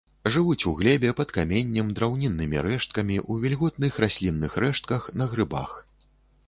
Жывуць у глебе, пад каменнем, драўніннымі рэшткамі, у вільготных раслінных рэштках, на грыбах.